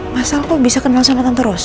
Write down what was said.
mas al kok bisa kenal sama tante rose